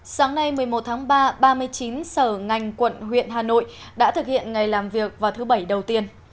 sáng nay một mươi một tháng ba ba mươi chín sở ngành quận huyện hà nội đã thực hiện ngày làm việc vào thứ bảy đầu tiên